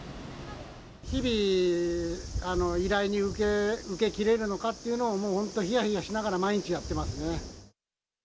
日々、依頼に受けきれるのかっていうのは、もう本当、ひやひやしながら毎日やってますね。